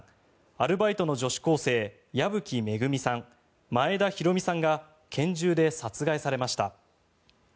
アルバイトの女子高生矢吹恵さん、前田寛美さんが拳銃で殺害されました。